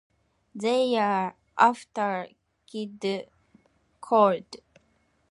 They are after Kid Colt.